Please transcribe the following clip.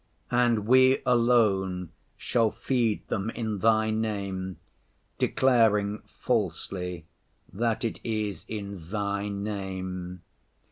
And we alone shall feed them in Thy name, declaring falsely that it is in Thy name.